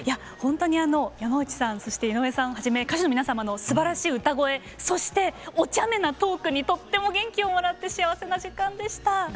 ほんとに山内さんそして井上さんはじめ歌手の皆様のすばらしい歌声そしておちゃめなトークにとっても元気をもらって幸せな時間でした。